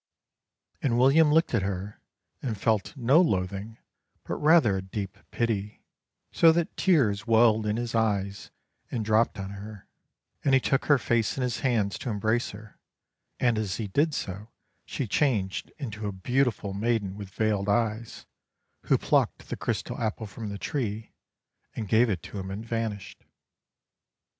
And William looked at her and felt no loathing but rather a deep pity, so that tears welled in his eyes and dropped on her, and he took her face in his hands to embrace her, and as he did so she changed into a beautiful maiden with veiled eyes, who plucked the crystal apple from the tree and gave it to him and vanished.